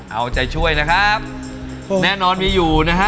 เอาใจช่วยนะครับแน่นอนมีอยู่นะฮะ